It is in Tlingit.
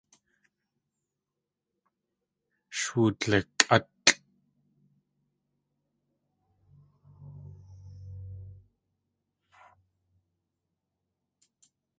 Sh wudlikʼátlʼ.